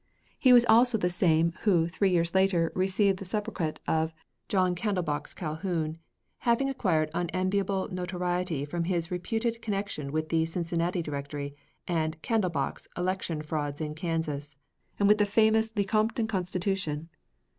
He was also the same who three years later received the sobriquet of "John Candlebox Calhoun," having acquired unenviable notoriety from his reputed connection with the "Cincinnati Directory" and "Candlebox" election frauds in Kansas, and with the famous Lecompton Constitution.